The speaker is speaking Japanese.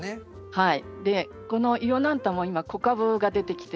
はい。